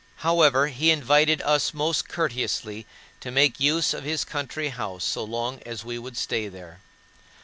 However, he invited us most courteously to make use of his country house so long as we would stay there.